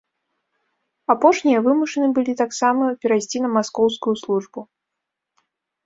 Апошнія вымушаны былі таксама перайсці на маскоўскую службу.